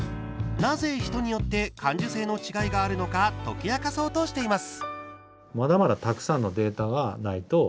なぜ人によって感受性の違いがあるのか解き明かそうとしています。